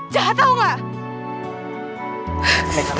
jadi kamu bohong